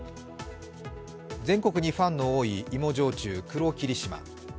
全国にファンの多い芋焼酎黒霧島。